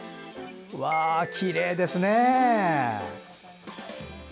わあ、きれいですね！